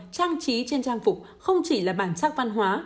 trang trí trên trang phục không chỉ là bản sắc văn hóa